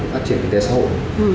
phát triển kinh tế xã hội